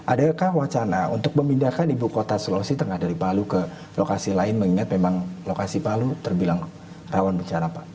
adakah wacana untuk memindahkan ibu kota sulawesi tengah dari palu ke lokasi lain mengingat memang lokasi palu terbilang rawan bencana pak